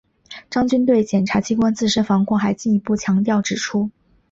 张军对检察机关自身防控还进一步强调指出